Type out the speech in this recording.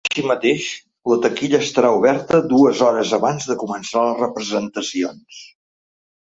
Així mateix, la taquilla estarà oberta dues hores abans de començar les representacions.